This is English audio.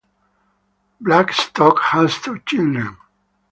Blackstock has two children.